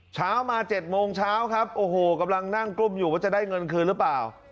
เช้ามา๗โมงเช้าครับโอ้โหกำลังนั่งกลุ้มอยู่ว่าจะได้เงินคืนหรือเปล่า